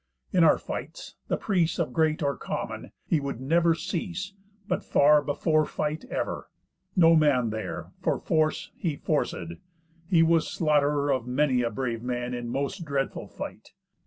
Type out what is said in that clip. In our fights, the prease Of great or common, he would never cease, But far before fight ever. No man there, For force, he forcéd. He was slaughterer Of many a brave man in most dreadful fight.